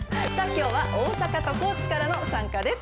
きょうは大阪と高知からの参加です。